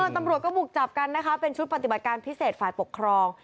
ตำรวจก็บุกจับกันนะคะเป็นชุดปฏิบัติการพิเศษฝ่ายปกครอง